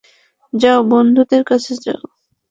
যাও, বন্ধুদের কাছে যাও।